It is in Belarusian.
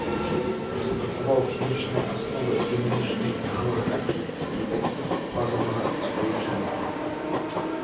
Распрацаваў фізічныя асновы дынамічнай галаграфіі і оптыкі фазавага спалучэння.